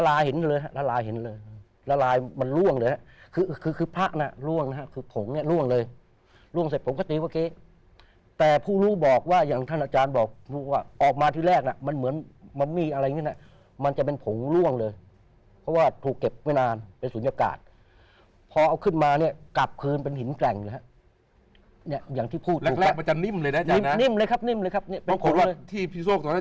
ละลายเห็นเลยละลายมันล่วงเลยครับคือคือคือผ้านะล่วงนะครับคือผงเนี่ยล่วงเลยล่วงเสร็จผมก็เตรียมว่าเก๊แต่ผู้รู้บอกว่าอย่างท่านอาจารย์บอกว่าออกมาที่แรกน่ะมันเหมือนมันมีอะไรอย่างนี้นะมันจะเป็นผงล่วงเลยเพราะว่าถูกเก็บไม่นานเป็นศูนยากาศพอเอาขึ้นมาเนี่ยกลับคืนเป็นหินแกร่งนะครับเนี่